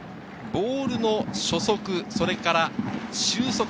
ボールの初速、それから終速。